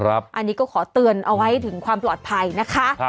อันนี้ก็ขอเตือนเอาไว้ถึงความปลอดภัยนะคะ